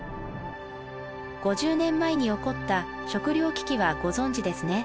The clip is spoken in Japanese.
５０年前に起こった食料危機はご存じですね？